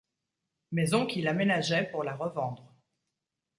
Maison qu'il aménageait pour la revendre.